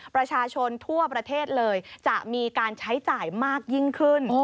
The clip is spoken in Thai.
ประชาชนทั่วประเทศเลยจะมีการใช้จ่ายมากยิ่งขึ้น